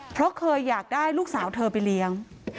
เพราะเคยอยากได้ลูกสาวเธอไปเลี้ยง